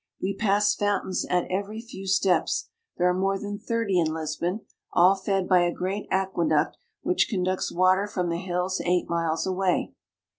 We pass fountains at every few steps ; there are more than thirty in Lisbon, all fed by a great aqueduct which conducts water from the hills eight miles away.